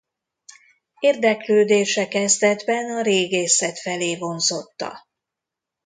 Érdeklődése kezdetben a régészet felé vonzotta.